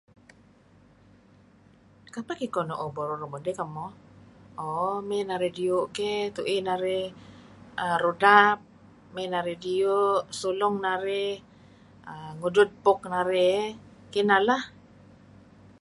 Kapeh kiko nuuh burur mudih kemuh? Ooh may narih diu' keh tui narih, rudap, may narih diu', sulung narih, ngudud puk narih. Kineh lah.